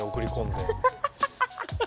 ハハハハ！